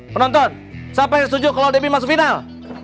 penonton siapa yang setuju kalau debbie masuk final